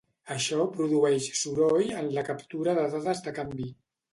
Això produeix soroll en la captura de dades de canvi.